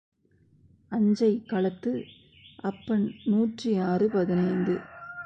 அஞ்சைக் களத்து அப்பன் நூற்றி ஆறு பதினைந்து .